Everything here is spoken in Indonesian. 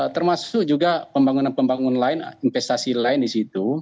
termasuk juga pembangunan pembangunan lain investasi lain di situ